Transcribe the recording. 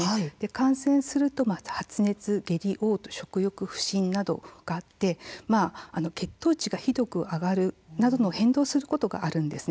感染すると発熱、下痢、おう吐食欲不振などがあって血糖値がひどく上がるなどの変動することがあるんですね。